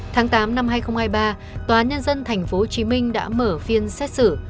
tháng tám năm hai nghìn hai mươi ba tòa nhân dân tp hcm đã mở phiên xét xử